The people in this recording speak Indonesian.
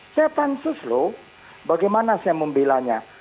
saya pansus loh bagaimana saya membelanya